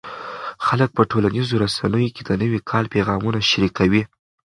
خلک په ټولنیزو رسنیو کې د نوي کال پیغامونه شریکوي.